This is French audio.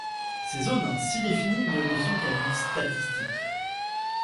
Ces zones ainsi définies ne le sont qu'à but statistique.